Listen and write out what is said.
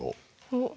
おっ。